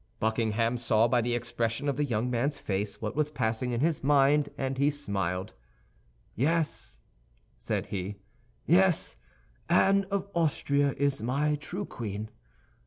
Buckingham saw by the expression of the young man's face what was passing in his mind, and he smiled. "Yes," said he, "yes, Anne of Austria is my true queen.